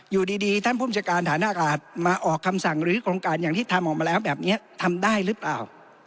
อยู่ดีท่านภูมิเจียรการฐานอากาศมาออกคำสั่งหรือกรงการที่ทำออกมาแล้วเลยถามได้รึเปล่า